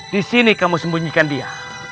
disini kamu sembunyikan dia